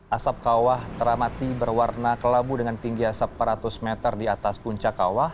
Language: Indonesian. asap kawah teramati berwarna kelabu dengan tinggi asap empat ratus meter di atas puncak kawah